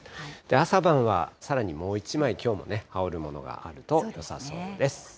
朝晩はさらにもう１枚、きょうも羽織るものがあるとよさそうです。